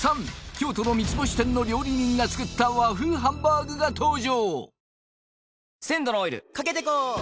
京都の３つ星店の料理人が作った和風ハンバーグが登場